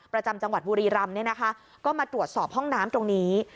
ประจำจังหวัดบุรีรัมน์มาตรวจสอบห้องน้ำตรงนี้